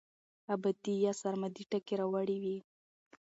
ابدي يا سرمدي ټکي راوړي وے